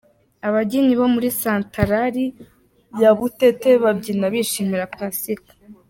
Ababyinnyi bo muri santarari ya Butete babyina bishimira Pasika.